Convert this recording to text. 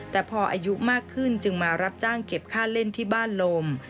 แต่พออายุมากขึ้นจึงมารับจ้างเก็บค่าเล่นที่บ้านลม